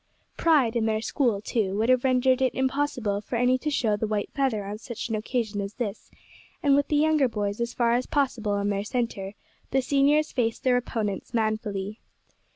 Pride in their school, too, would have rendered it impossible for any to show the white feather on such an occasion as this, and with the younger boys as far as possible in their centre, the seniors faced their opponents manfully.